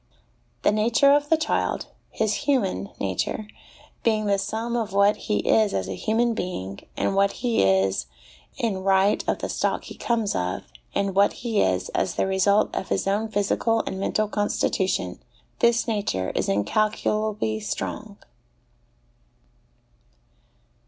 The nature of the child his human nature being the sum of what he is as a human being, and what he is in right of the stock he comes of, and what he is as the result of his own physical and mental constitution this nature is incalculably strong.